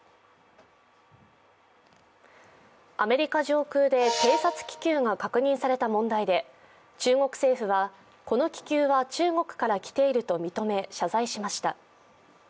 アメリカ上空で偵察気球が確認された問題で中国政府は、この気球は中国から来ていると認め、謝罪しました。